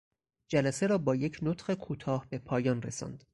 جلسه را با یک نطق کوتاه به پایان رساند.